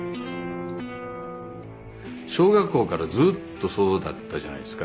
小学校からずっとそうだったじゃないですか。